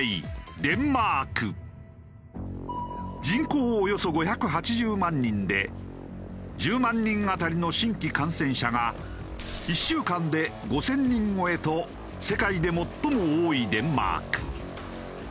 人口およそ５８０万人で１０万人当たりの新規感染者が１週間で５０００人超えと世界で最も多いデンマーク。